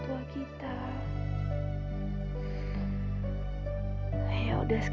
terima kasih ya bang